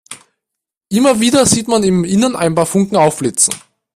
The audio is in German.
Immer wieder sieht man im Innern ein paar Funken aufblitzen.